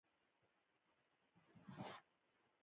لږ ساعت یې کېنولو.